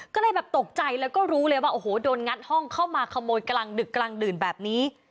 ก็เลยแบบตกใจแล้วก็รู้เลยว่าโอ้โหโดนงัดห้องเข้ามาขโมยกลางดึกกลางดื่นแบบนี้